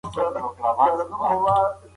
ککړ لوښي ستونزه جوړوي.